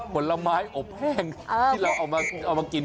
ผลไม้อบแห้งที่เราเอามากิน